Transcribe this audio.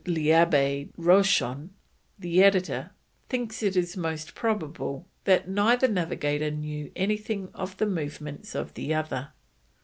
l'Abbe Rochon, the editor, thinks it most probable that neither navigator knew anything of the movements of the other.